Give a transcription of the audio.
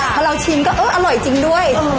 พอเราชิมก็เอออร่อยจริงด้วย